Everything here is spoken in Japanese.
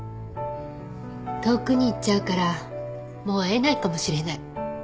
遠くに行っちゃうからもう会えないかもしれない。